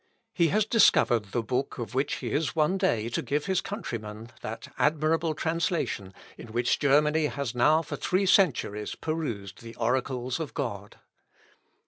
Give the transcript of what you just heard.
He has discovered the book of which he is one day to give his countrymen that admirable translation in which Germany has now for three centuries perused the oracles of God.